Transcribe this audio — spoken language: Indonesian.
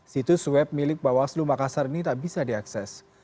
situs web milik bawaslu makassar ini tak bisa diakses